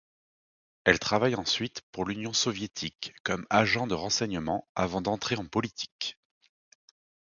Elle travaille ensuite pour l'Union soviétique comme agent de renseignement avant d'entrer en politique.